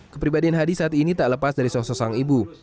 kepribadian hadi saat ini tak lepas dari sosok sang ibu